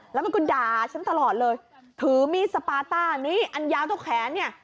แล้วมันก็ด่าฉันตลอดเลยถือมีดสปาต้านี่อันยาวเท่าแขนเนี่ย